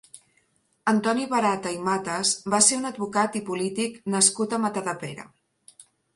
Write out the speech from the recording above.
Antoni Barata i Matas va ser un advocat i polític nascut a Matadepera.